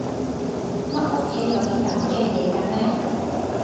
乜屋企有啲噉嘅嘢㗎咩？